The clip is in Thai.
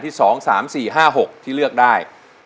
ขอบคุณครับ